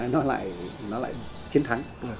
nó lại chiến thắng